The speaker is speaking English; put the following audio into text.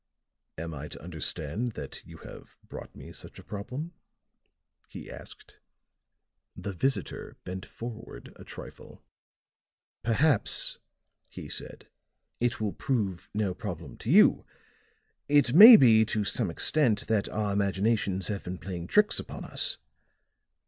"Am I to understand that you have brought me such a problem?" he asked. The visitor bent forward a trifle. "Perhaps," he said, "it will prove no problem to you. It may be, to some extent, that our imaginations have been playing tricks upon us.